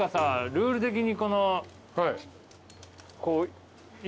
ルール的にこの。